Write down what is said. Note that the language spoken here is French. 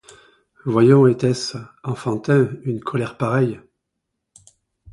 Voyons, était-ce enfantin, une colère pareille!